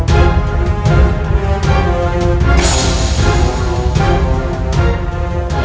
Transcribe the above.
harap buktiuk itu